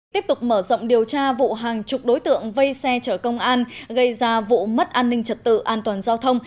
tiếp tục mở rộng điều tra vụ hàng chục đối tượng vây xe chở công an gây ra vụ mất an ninh trật tự an toàn giao thông